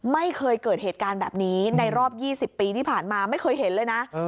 ไม่เคยเกิดเหตุการณ์แบบนี้ในรอบ๒๐ปีที่ผ่านมาไม่เคยเห็นเลยนะ